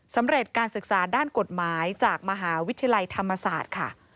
สำเร็จการศึกษาด้านกฎหมายจากมหาวิทยาลัยธรรมศาสตร์ค่ะ